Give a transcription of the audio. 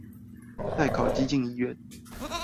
帶烤雞進醫院